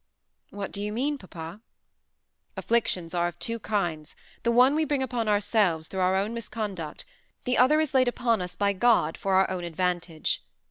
"What do you mean, papa?" "Afflictions are of two kinds. The one we bring upon ourselves, through our own misconduct; the other is laid upon us by God for our own advantage.